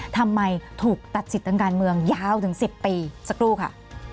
ทำไมถูกตัดสิทธิ์ทางการเมืองยาวถึง๑๐ปีสักครู่ค่ะ